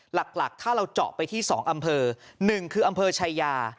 หลักถ้าเราเจาะไปที่๒อำเภอ๑คืออำเภอชายา